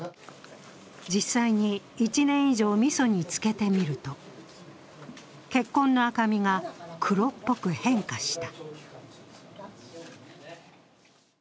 実際に１年以上、みそにつけてみると血痕の赤みが黒っぽく変化した。